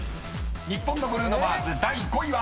［日本のブルーノ・マーズ第５位は］